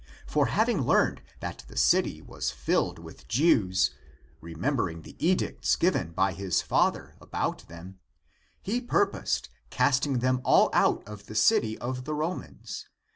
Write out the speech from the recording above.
For hav ing learned that the city was filled with Jews, re membering the edicts given by his father about them, he purposed casting them all out of the city of the Romans.